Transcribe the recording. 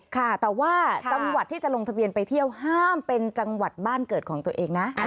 ค่ะแต่ว่าจังหวัดที่จะลงทะเบียนไปเที่ยวห้ามเป็นจังหวัดบ้านเกิดของตัวเองนะ